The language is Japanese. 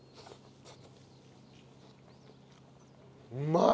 うまい！